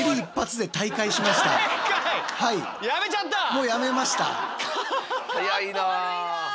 もうやめました。